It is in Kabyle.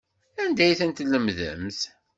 Anda ay ten-tlemdemt?